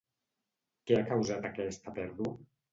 Què ha causat aquesta pèrdua?